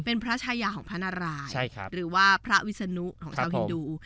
เป็นพระชายาของพระนารายหรือว่าพระวิศนุของชาวฮินดู